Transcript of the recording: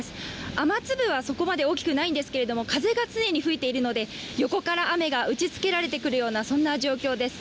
雨粒はそこまで大きくないんですが、風が常に吹いているので、横から雨が打ちつけてくるようなそんな状況です。